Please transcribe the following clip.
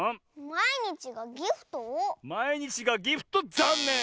「まいにちがギフト」ざんねん！